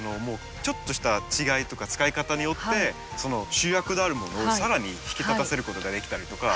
ちょっとした違いとか使い方によってその主役であるものを更に引き立たせることができたりとか